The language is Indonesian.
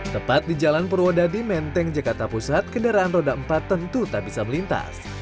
tepat di jalan purwodadi menteng jakarta pusat kendaraan roda empat tentu tak bisa melintas